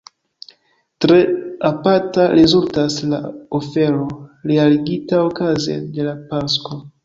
Tre aparta rezultas la ofero realigita okaze de la Pasko.